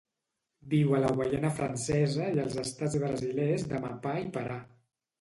Viu a la Guaiana Francesa i els estats brasilers d'Amapá i Pará.